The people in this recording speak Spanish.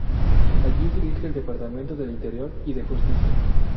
Allí dirige el departamento del interior y de justicia.